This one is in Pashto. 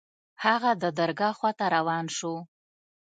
هغه د درګاه خوا ته روان سو.